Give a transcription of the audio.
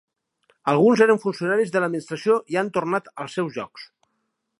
Alguns eren funcionaris de l’administració i han tornat als seus llocs.